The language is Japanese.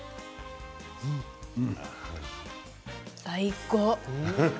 最高！